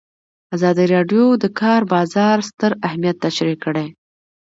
ازادي راډیو د د کار بازار ستر اهميت تشریح کړی.